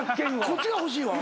こっちが欲しいわ。